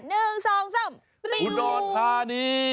คุณนท์ภาณี